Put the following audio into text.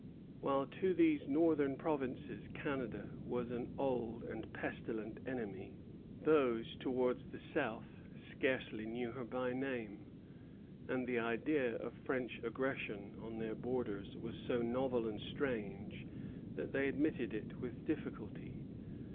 While to these northern provinces Canada was an old and pestilent enemy, those towards the south scarcely knew her by name; and the idea of French aggression on their borders was so novel and strange that they admitted it with difficulty.